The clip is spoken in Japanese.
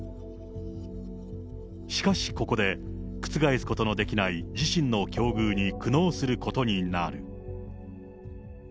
しかし、ここで覆すことのできない、自身の境遇に苦悩することになる。